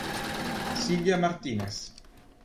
Silvia Martínez